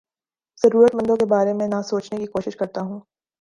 ضرورت مندوں کے بارے میں نہ سوچنے کی کوشش کرتا ہوں